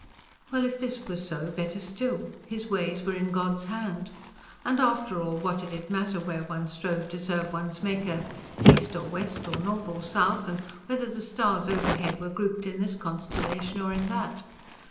Well, if this were so, better still: his ways were in God's hand. And after all, what did it matter where one strove to serve one's Maker east or west or south or north and whether the stars overhead were grouped in this constellation or in that?